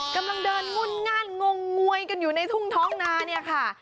กำลังเดินมุ่นง่านงงงวยกันอยู่ในทุ่งท้องนาเนี่ยค่ะ